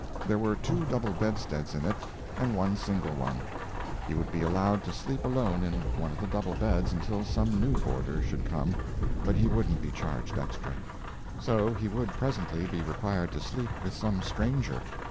There were two double bedsteads in it, and one single one. He would be allowed to sleep alone in one of the double beds until some new boarder should come, but he wouldn't be charged extra. So he would presently be required to sleep with some stranger!